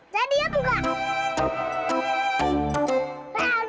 saya diam gak